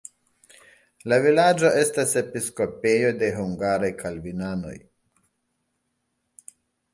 La vilaĝo estas episkopejo de hungaraj kalvinanoj.